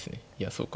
そうか。